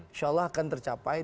insya allah akan tercapai